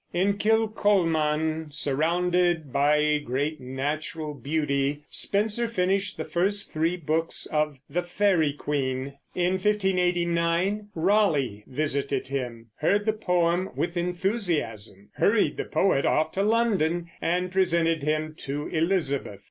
In Kilcolman, surrounded by great natural beauty, Spenser finished the first three books of the Faery Queen. In 1589 Raleigh visited him, heard the poem with enthusiasm, hurried the poet off to London, and presented him to Elizabeth.